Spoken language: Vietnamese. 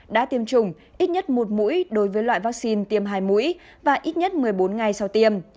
đã tiêm chủng ít nhất một mũi đối với loại vaccine tiêm hai mũi và ít nhất một mươi bốn ngày sau tiêm